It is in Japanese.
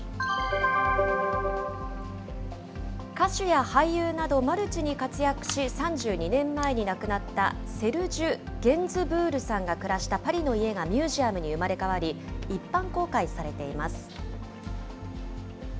歌手や俳優など、マルチに活躍し、３２年前に亡くなったセルジュ・ゲンズブールさんが暮らしたパリの家がミュージアムに生まれ変わり、一般公開されています。